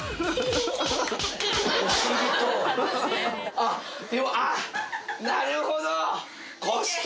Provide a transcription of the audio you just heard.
あっあなるほど！